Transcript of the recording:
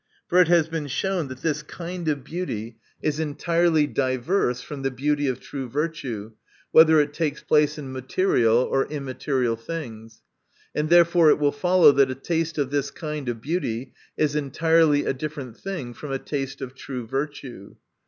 For it has been shown, that this kind of beauty is entirely diverse from the beauty of true virtue, whether it takes place in material or immaterial things. And therefore it will follow, that a taste of this kind of beauty is entirely a different thing from a taste of true virtue.